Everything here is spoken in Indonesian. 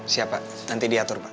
siap pak nanti diatur pak